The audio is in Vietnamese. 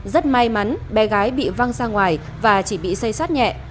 rất may mắn bé gái bị văng ra ngoài và chỉ bị xây sát nhẹ